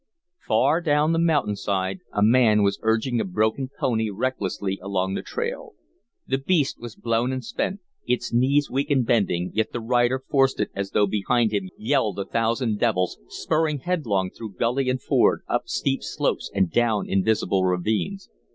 Far down the mountain side a man was urging a broken pony recklessly along the trail. The beast was blown and spent, its knees weak and bending, yet the rider forced it as though behind him yelled a thousand devils, spurring headlong through gully and ford, up steep slopes and down invisible ravines.